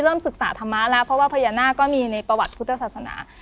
เริ่มศึกษาธรรมะแล้วเพราะว่าพญานาคก็มีในประวัติพุทธศาสนา